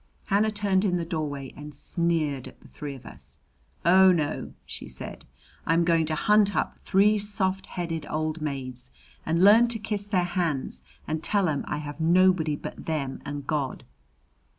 Hannah turned in the doorway and sneered at the three of us. "Oh, no!" she said. "I'm going to hunt up three soft headed old maids and learn to kiss their hands and tell 'em I have nobody but them and God!"